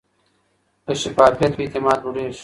که شفافیت وي، اعتماد لوړېږي.